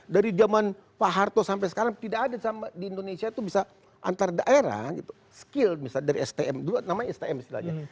dari zaman pak harto sampai sekarang tidak ada di indonesia itu bisa antar daerah gitu skill misalnya dari stm dulu namanya stm istilahnya